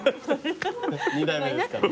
二代目ですから。